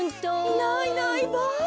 いないいないばあ。